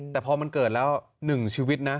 แต่พอมันเกิดแล้ว๑ชีวิตนะ